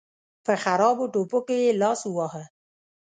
په خرابو ټوپکو يې لاس وواهه.